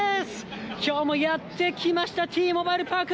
きょうもやって来ました、Ｔモバイルパーク。